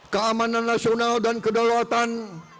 keamanan nasional dan kedalawatan